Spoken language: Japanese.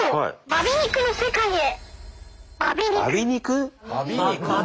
バ美肉の世界へ。